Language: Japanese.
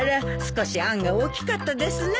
少しあんが大きかったですね。